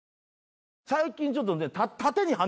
最近ちょっと。